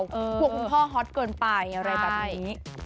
กลัวคุณพ่อฮอตเกินไปอะไรแบบนี้